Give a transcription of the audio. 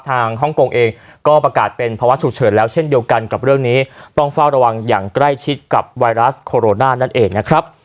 ฮ่องกงเองก็ประกาศเป็นภาวะฉุกเฉินแล้วเช่นเดียวกันกับเรื่องนี้ต้องเฝ้าระวังอย่างใกล้ชิดกับไวรัสโคโรนานั่นเองนะครับ